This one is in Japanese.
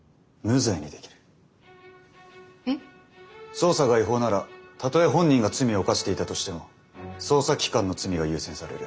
捜査が違法ならたとえ本人が罪を犯していたとしても捜査機関の罪が優先される。